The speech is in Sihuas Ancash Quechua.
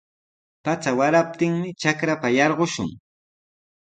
Pacha waraptinmi trakrapa yarqushun.